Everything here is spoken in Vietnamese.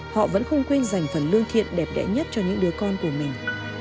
họ vẫn không quên dành phần lương thiện đẹp đẽ nhất cho những đứa con của mình